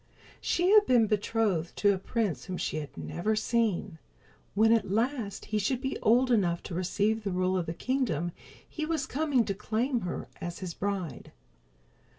She had been betrothed to a prince whom she had never seen. When at last he should be old enough to receive the rule of the kingdom he was coming to claim her as his bride.